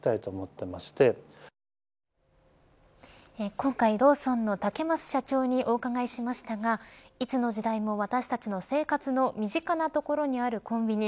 今回、ローソンの竹増社長にお伺いしましたがいつの時代も私たちの生活の身近なところにあるコンビニ